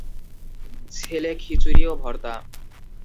ছেলে খিচুড়ি ও ভর্তা।